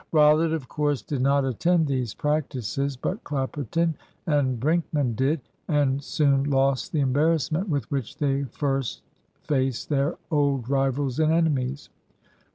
Rollitt, of course, did not attend these practices; but Clapperton and Brinkman did, and soon lost the embarrassment with which they first faced their old rivals and enemies.